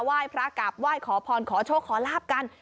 ว่ายพระกราบว่ายขอพรขอโชคขอหลาบกัน